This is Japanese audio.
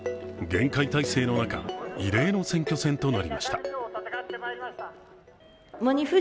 厳戒態勢の中、異例の選挙戦となりました。